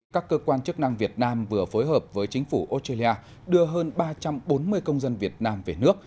các cơ quan chức năng việt nam vừa phối hợp với chính phủ australia đưa hơn ba trăm bốn mươi công dân việt nam về nước